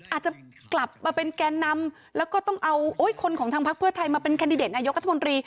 อาจจะกลับมาเป็นแกนนำแล้วก็ต้องเอาคนของทางพักเพื่อไทยมาเป็นแคนดิเดตนายกรัฐมนตรี